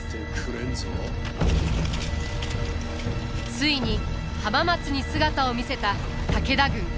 ついに浜松に姿を見せた武田軍。